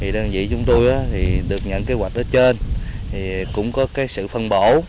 đơn vị chúng tôi được nhận kế hoạch ở trên cũng có sự phân bổ